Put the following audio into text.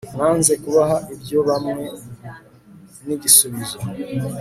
Nanze kubaha ibyo hamwe nigisubizo